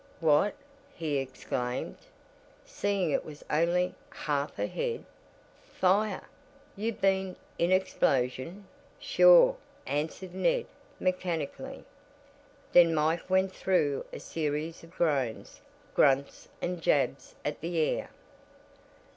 "What!" he exclaimed, seeing it was only "half a head." "Fire, you been in explosion?" "Sure!" answered Ned, mechanically. Then Mike went through a series of groans, grunts and jabs at the air.